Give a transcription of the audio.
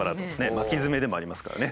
巻きヅメでもありますからね。